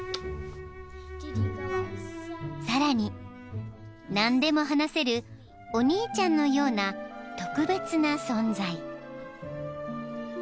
［さらに何でも話せるお兄ちゃんのような特別な存在］